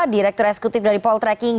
direktur eksekutif dari poltreking